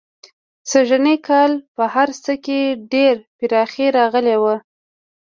سږنی کال په هر څه کې ډېره پراخي راغلې وه.